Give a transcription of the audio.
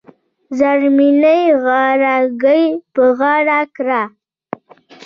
زرمینې غاړه ګۍ په غاړه کړه .